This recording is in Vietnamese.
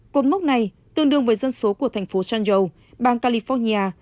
cột mốc này tương đương với dân số của thành phố san joe bang california